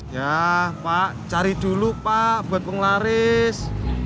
ya pak cari dulu pak buat pengularis